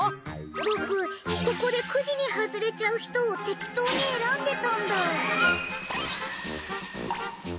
僕ここでクジに外れちゃう人を適当に選んでたんだ。